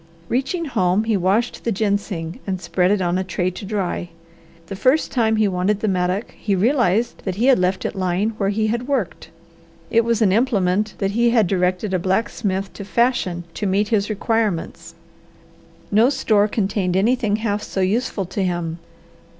Reaching home he washed the ginseng, and spread it on a tray to dry. The first time he wanted the mattock he realized that he had left it lying where he had worked. It was an implement that he had directed a blacksmith to fashion to meet his requirements. No store contained anything half so useful to him.